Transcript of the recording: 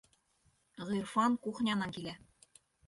Ғирфан кухнянан килә.